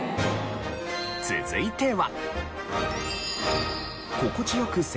続いては。